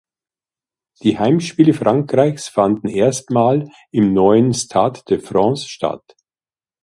Die Heimspiele Frankreichs fanden erstmals im neuen Stade de France statt.